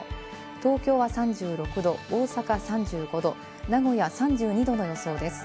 東京は３６度、大阪３５度、名古屋３２度の予想です。